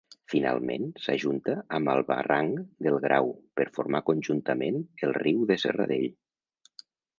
Finalment, s'ajunta amb el barranc del Grau per formar conjuntament el riu de Serradell.